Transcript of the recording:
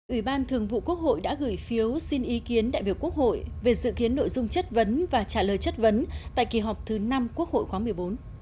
ủy ban thường vụ quốc hội đã gửi phiếu xin ý kiến đại biểu quốc hội về dự kiến nội dung chất vấn và trả lời chất vấn tại kỳ họp thứ năm quốc hội khóa một mươi bốn